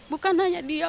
bukan hanya dia